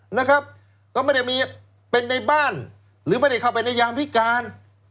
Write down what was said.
นะครับก็ไม่ได้มีเป็นในบ้านหรือไม่ได้เข้าไปในยามพิการ